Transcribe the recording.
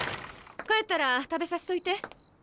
帰ったら食べさせといて。